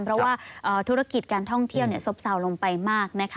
เพราะว่าธุรกิจการท่องเที่ยวสบสาวลงไปมาก